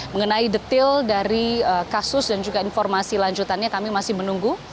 mengenai detail dari kasus dan juga informasi lanjutannya kami masih menunggu